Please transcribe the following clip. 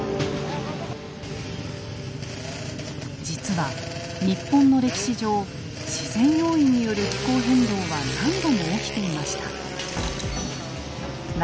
実は日本の歴史上自然要因による気候変動は何度も起きていました。